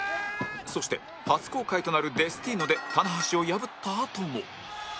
そして初公開となるデスティーノで棚橋を破ったあとも